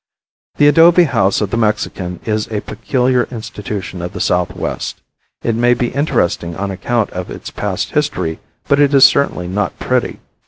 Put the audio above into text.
The adobe house of the Mexican is a peculiar institution of the southwest. It may be interesting on account of its past history, but it is certainly not pretty.